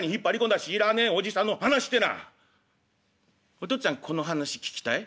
「お父っつぁんこの話聞きたい？」。